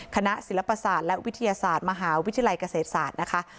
คณะศิลปศาสตร์และวิทยาศาสตร์มหาวิทยาลัยเกษตรศาสตร์นะคะ